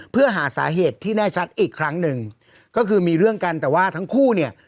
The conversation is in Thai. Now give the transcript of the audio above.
เพื่อหาสาเหตุที่แน่ชัดอีกครั้งหนึ่งก็คือมีเรื่องกันแต่ว่าทั้งคู่เนี่ย